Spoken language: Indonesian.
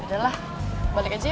yaudah lah balik aja ya